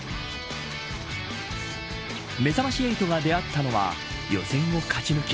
めざまし８が出会ったのは予選を勝ち抜き